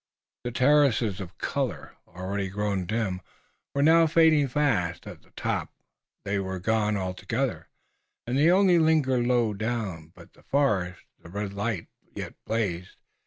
The terraces of color, already grown dim, were now fading fast. At the top they were gone altogether, and they only lingered low down. But on the forest the red light yet blazed.